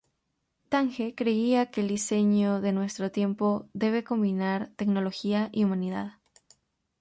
Tange creía que el diseño de nuestro tiempo debe combinar tecnología y humanidad.